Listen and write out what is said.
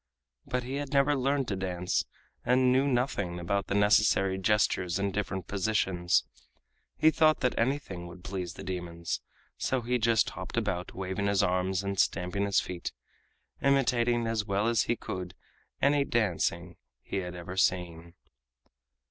But he had never learned to dance, and knew nothing about the necessary gestures and different positions. He thought that anything would please the demons, so he just hopped about, waving his arms and stamping his feet, imitating as well as he could any dancing he had ever seen.